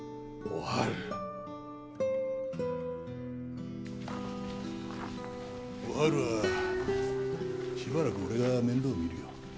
おはるはしばらく俺が面倒をみるよ。